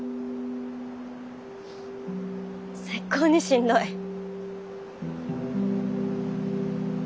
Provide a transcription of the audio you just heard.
最高にしんどい。